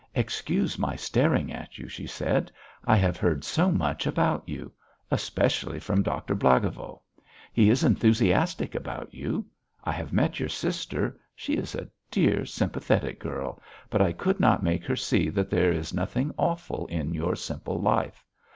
"Excuse my staring at you," she said. "I have heard so much about you. Especially from Doctor Blagovo. He is enthusiastic about you. I have met your sister; she is a dear, sympathetic girl, but I could not make her see that there is nothing awful in your simple life.